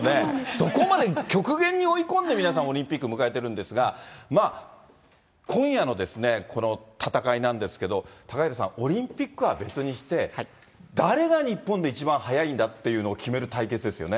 そこまで極限に追い込んで、皆さん、オリンピック迎えているんですが、今夜のこの戦いなんですけど、高平さん、オリンピックは別にして、誰が日本で一番速いんだって決める対決ですよね。